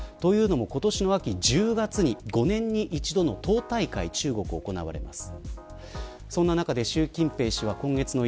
今年の秋１０月に５年に一度の党大会が中国で行われます。